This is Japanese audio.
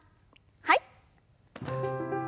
はい。